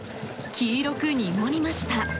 黄色く濁りました。